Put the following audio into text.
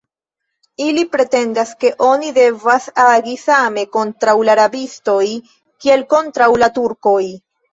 Ili pretendas, ke oni devas agi same kontraŭ la rabistoj, kiel kontraŭ la Turkoj.